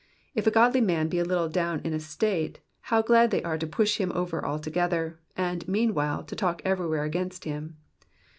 If a godly man be a little down in estate, how glad they are to push him over altogether, and, meanwhile, to talk everywhere against him.